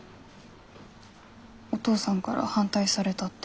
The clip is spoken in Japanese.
お父さんから反対されたって。